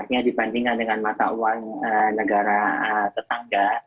artinya dibandingkan dengan mata uang negara tetangga